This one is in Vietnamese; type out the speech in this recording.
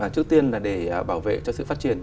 trước tiên là để bảo vệ cho sự phát triển